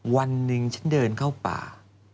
วันหนึ่งฉันเดินเข้าป่า